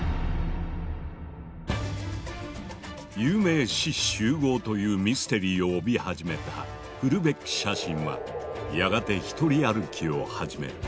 有名志士集合というミステリーを帯び始めたフルベッキ写真はやがて独り歩きを始める。